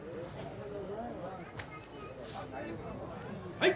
はい！